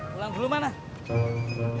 pulang ke rumah nah